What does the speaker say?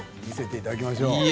見せていただきましょう！